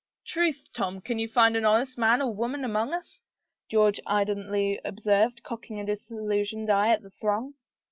" Truth, Tom, can you find an honest man or woman among us?" George indolently observed, cocking a dis illusioned eye at the throng.